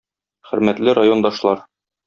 "Хөрмәтле райондашлар!